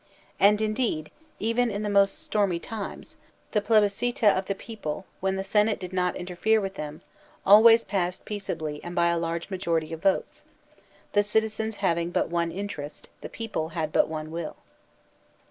And, indeed, even in the most stormy times, the pUbiscUa of the peo ple, when the Senate did not interfere with them, always passed peaceably and by a large majority of votes; the citizens having but one interest, the people had but one will.